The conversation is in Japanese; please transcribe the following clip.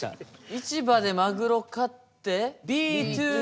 市場でマグロ買ってＢ２